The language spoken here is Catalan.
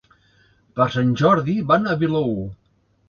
Per Sant Jordi van a Vilaür.